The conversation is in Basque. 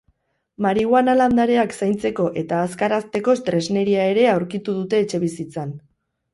Marihuana landareak zaintzeko eta azkar hazteko tresneria ere aurkitu dute etxebizitzan.